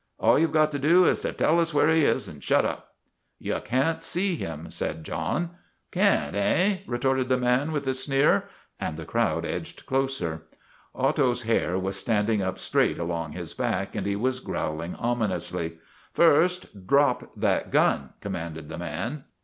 All you 've got to do is to tell us where he is and shut up." " You can't see him," said John. " Can't, hey ?' retorted the man with a sneer, and the crowd edged closer. Otto's hair was stand ing up straight along his back and he was growling ominously. " First, drop that gun," commanded the man.